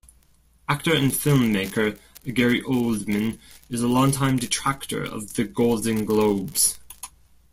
Actor and filmmaker Gary Oldman is a longtime detractor of the Golden Globes.